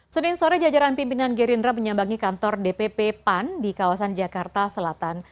senin sore jajaran pimpinan gerindra menyambangi kantor dpp pan di kawasan jakarta selatan